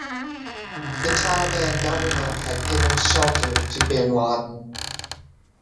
The Taliban government had given shelter to Bin Laden.